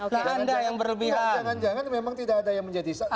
jangan jangan memang tidak ada yang menjadi saksi